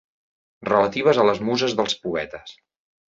Relatives a les muses dels poetes.